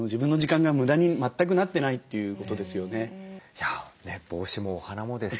いや帽子もお花もです